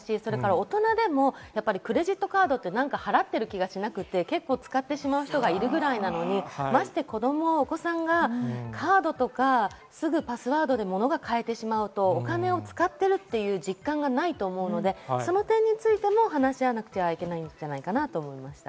大人でもクレジットカードって払っている気がしなくて使ってしまう人がいるくらいなのに、ましてやお子さんがカードとか、すぐパスワードで物が買えてしまうとお金を使っている実感がないと思うので、その点についても話し合わなくてはいけないと思います。